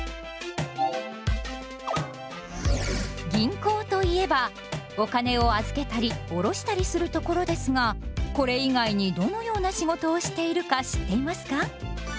銀行といえばお金を預けたり下ろしたりするところですがこれ以外にどのような仕事をしているか知っていますか？